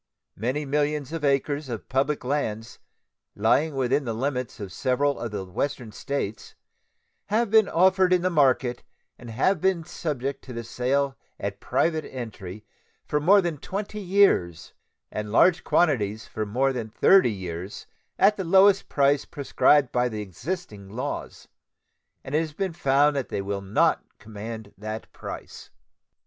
Many millions of acres of public lands lying within the limits of several of the Western States have been offered in the market and been subject to sale at private entry for more than twenty years and large quantities for more than thirty years at the lowest price prescribed by the existing laws, and it has been found that they will not command that price.